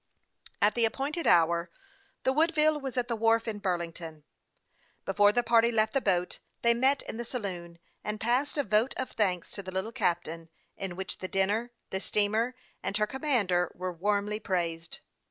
At the appointed hour the Woodville was at the wharf in Burlington. Before the party left the boat, they met in the saloon, and passed a vote of thanks to the little captain, in which the dinner, the steamer, and her commander were warmly praised.